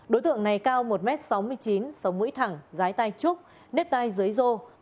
đối tượng này cao một m sáu mươi chín sống mũi thẳng dái tay trúc nếp tay dưới rô